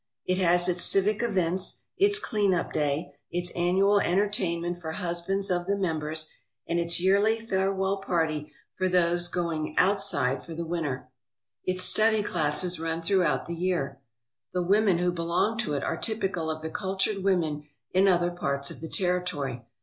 It has its civic events, its clean up day, its annual entertainment for husbands of the members, and its yearly farewell party for those 302 WOMEN ON AMERICA'S LAST FRONTIER going "outside" for the winter. Its study classes run throughout the year. The women who belong to it are typical of the cultured women in other parts of the territory.